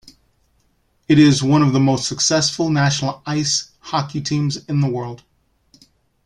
It is one of the most successful national ice hockey teams in the world.